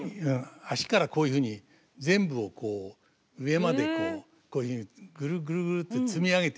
足からこういうふうに全部をこう上までこういうふうにぐるぐるぐるって積み上げていく。